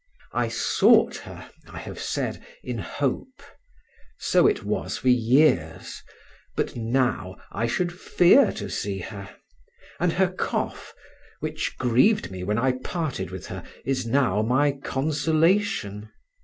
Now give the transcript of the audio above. I sought her, I have said, in hope. So it was for years; but now I should fear to see her; and her cough, which grieved me when I parted with her, is now my consolation.